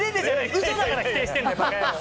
うそだから否定してんだよ、ばか野郎。